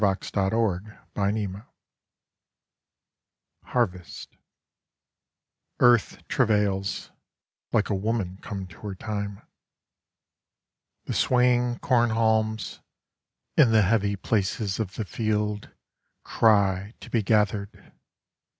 1917. At Harvest By Joseph Campbell EARTH travails, Like a woman come to her time. The swaying corn haulmsIn the heavy places of the fieldCry to be gathered.